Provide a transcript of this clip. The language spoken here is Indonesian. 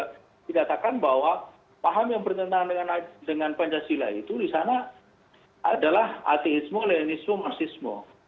tidak akan bahwa paham yang bertentangan dengan pancasila itu di sana adalah ateismo lenismo marxismo